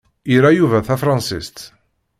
Ira Yuba tafransist.